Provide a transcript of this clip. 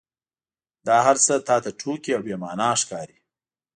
دا هرڅه تا ته ټوکې او بې معنا ښکاري.